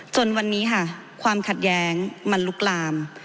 จนวันนี้ค่ะความขัดแย้งมันลุกลาม